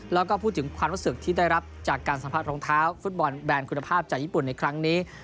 แล้วก็พูดถึงความรู้สึกที่ได้รับจากการสัมผัสรองเท้าฟุตบอลแบนคุณภาพจากญี่ปุ่นในครั้งนี้